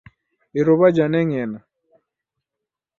Iruw'a janeng'ena